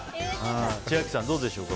千秋さん、どうでしょう。